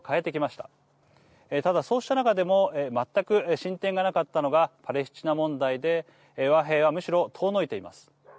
ただ、そうした中でも全く進展がなかったのがパレスチナ問題で和平はむしろ遠のいています。